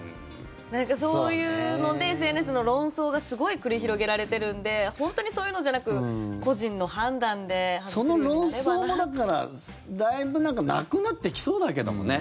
そういうのでＳＮＳの論争がすごい繰り広げられてるんで本当にそういうのじゃなく個人の判断でその論争もだから、だいぶなくなってきそうだけどもね。